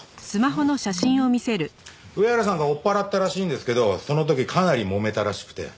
上原さんが追っ払ったらしいんですけどその時かなりもめたらしくて。